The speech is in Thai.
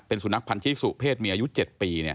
เป็นสุนัขพันธิสุเพศมีอายุ๗ปีเนี่ย